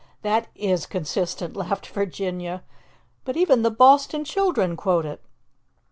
That is consistent," laughed Virginia. "But even the Boston children quote it.